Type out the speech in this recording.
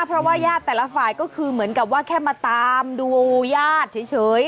เพราะว่าญาติแต่ละฝ่ายก็คือเหมือนกับว่าแค่มาตามดูญาติเฉย